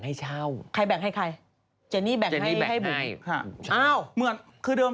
อะจบเลยใช่ป่ะใช่ไหม